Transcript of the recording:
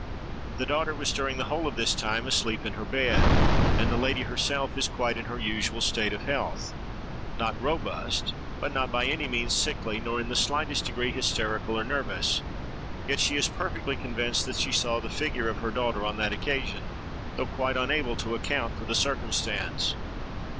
The daughter was during the whole of this time asleep in her bed, and the lady herself is quite in her usual state of health—not robust, but not by any means sickly, nor in the slightest degree hysterical or nervous; yet she is perfectly convinced that she saw the figure of her daughter on that occasion, though quite unable to account for the circumstance.